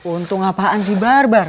untung apaan sih barbar